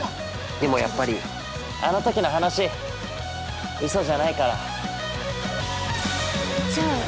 でも、やっぱり◆あのときの話うそじゃないから。